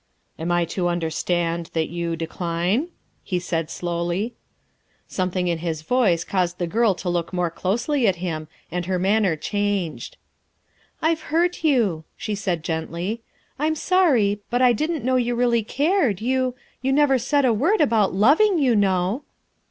"Am I to understand that you decline?" he said slowly. Something in his voice caused the girl to look more closely at him, and her manner changed. " I've hurt you," she said gently. "I'm sorry, but I didn't know you really cared, you you never said a word about loving, you know."